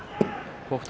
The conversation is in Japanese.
北勝